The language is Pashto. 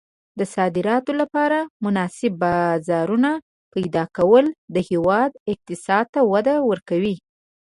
د صادراتو لپاره مناسب بازارونه پیدا کول د هېواد اقتصاد ته وده ورکوي.